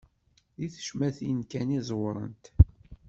Di tecmatin kan i ẓewrent.